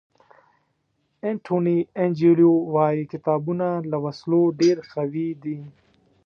انټوني انجیلو وایي کتابونه له وسلو ډېر قوي دي.